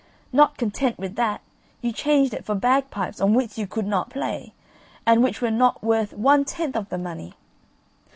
Not content with that, you changed it for bagpipes, on which you could not play, and which were not worth one tenth of the money.